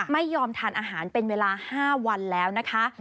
ไม่ยอมทานอาหารเป็นเวลา๕วันแล้วนะคะ